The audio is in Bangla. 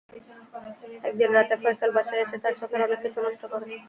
একদিন রাতে ফয়সাল বাসায় এসে তার শখের অনেক কিছু নষ্ট করে।